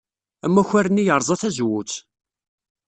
Amakar-nni yerẓa tazewwut.